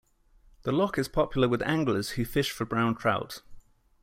The loch is popular with anglers who fish for brown trout.